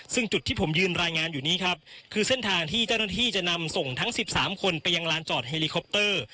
ซึ่งจุดที่ผมยืนรายงานอยู่นี้ครับคือเส้นทางที่เจ้าหน้าที่จะนำส่งทั้ง๑๓คนไปยังลานจอดเฮลิคอปเตอร์